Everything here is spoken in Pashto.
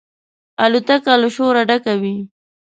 الوتکه له شوره ډکه وي.